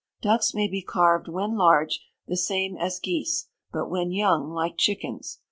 Ducks may be carved, when large, the same as geese; but when young, like chickens.